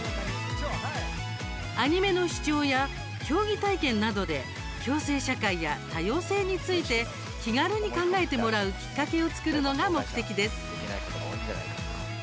アニメの視聴や競技体験などで共生社会や多様性について気軽に考えてもらうきっかけを作るのが目的です。